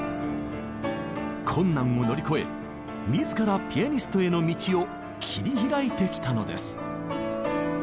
困難を乗り越え自らピアニストへの道を切り開いてきたのです。